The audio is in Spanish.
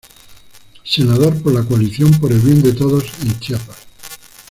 Senador por la Coalición Por el Bien de Todos en Chiapas.